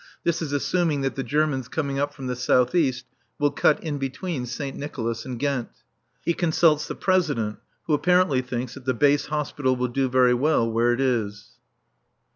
This is assuming that the Germans coming up from the south east will cut in between Saint Nicolas and Ghent. He consults the President, who apparently thinks that the base hospital will do very well where it is.